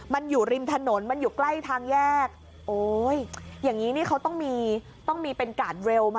มันอยู่ริมถนนมันอยู่ใกล้ทางแยกโอ้ยอย่างนี้นี่เขาต้องมีต้องมีเป็นกาดเร็วมา